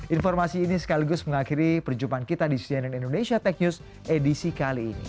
informasi ini sekaligus mengakhiri perjumpaan kita di cnn indonesia tech news edisi kali ini